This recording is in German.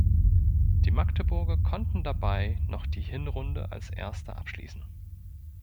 Die Magdeburger konnten dabei noch die Hinrunde als Erster abschließen.